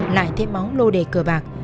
lại thêm móng lô đề cờ bạc